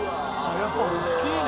やっぱ大きいね。